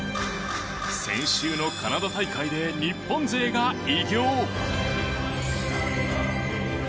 先週のカナダ大会で日本勢が偉業！